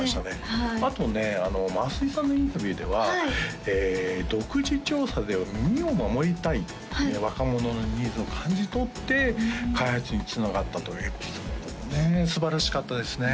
あとね増井さんのインタビューでは独自調査では耳を守りたい若者のニーズを感じ取って開発につながったというエピソードもねすばらしかったですね